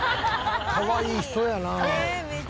かわいい人やなあ。